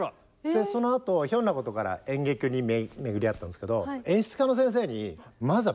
そのあとひょんなことから演劇に巡り合ったんですけど。